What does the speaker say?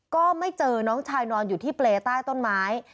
ก็ไม่เจอน้องชายนอนอยู่ที่เปรย์ใต้ต้นไม้